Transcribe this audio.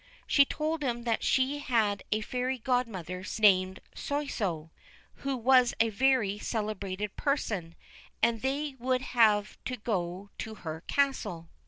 She told him that she had a fairy godmother named Soussio, who was a very celebrated person, and that they would have to go to her castle.